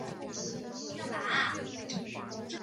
越南男性使用垫名还有区别宗族的功能。